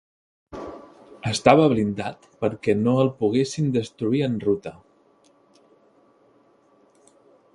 Estava blindat per què no el poguessin destruir en ruta.